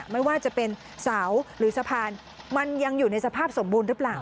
ไม่ว่าจะเป็นเสาหรือสะพานมันยังอยู่ในสภาพสมบูรณ์หรือเปล่า